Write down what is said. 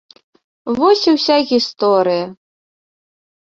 Вось і ўся гісторыя!